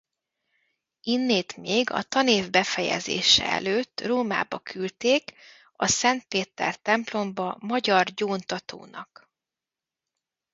Innét még a tanév befejezése előtt Rómába küldték a Szent Péter templomba magyar gyóntatónak.